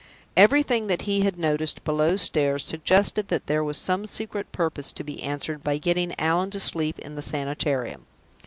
Everything that he had noticed below stairs suggested that there was some secret purpose to be answered by getting Allan to sleep in the Sanitarium.